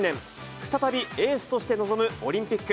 再び、エースとして臨むオリンピック。